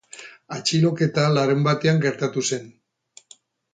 Atxiloketa larunbatean gertatu zen.